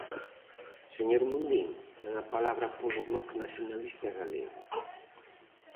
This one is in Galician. Señor Mundín, ten a palabra polo Bloque Nacionalista Galego.